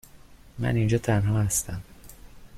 من اینجا تنها هستم.